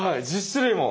１０種類も。